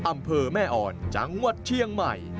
อำเภอแม่อ่อนจังหวัดเชียงใหม่